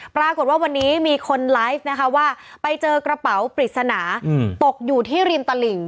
ปรากฏว่าวันนี้มีคนไลฟ์นะคะว่าไปเจอกระเป๋าปริศนาตกอยู่ที่ริมตลิ่ง